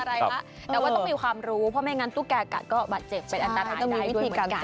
แต่ว่าต้องมีความรู้เพราะไม่งั้นทุกแก่กัดก็บาดเจ็บเป็นอันตรายได้ด้วยเหมือนกัน